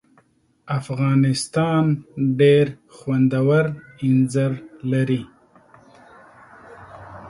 افغانستان ډېر خوندور اینځر لري.